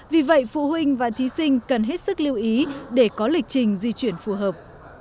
vì vậy phụ huynh và thí sinh cần hết sức lưu ý để có lịch trình di chuyển phù hợp